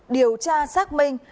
điều tra xác minh